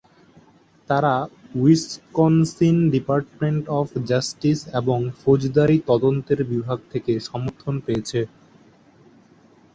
তারা Wisconsin Department of Justice এবং ফৌজদারি তদন্তের বিভাগ থেকে সমর্থন পেয়েছে।